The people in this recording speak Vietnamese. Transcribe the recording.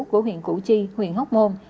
của huyện củ chi huyện hóc môn